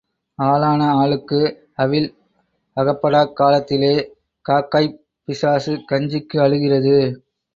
ஆளான ஆளுக்கு அவிழ் அகப்படாக் காலத்திலே காக்காய்ப் பிசாசு கஞ்சிக்கு அழுகிறது.